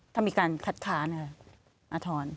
ถ้ามีการคัดค้านะครับอธรรม